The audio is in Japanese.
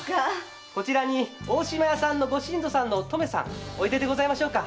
こちらに大島屋さんのご新造さんのとめさんおいででございましょうか？